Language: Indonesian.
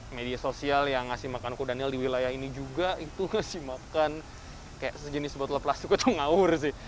media sosial yang ngasih makan kudanil di wilayah ini juga itu ngasih makan kayak sejenis botol plastik itu ngawur sih